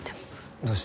どうして？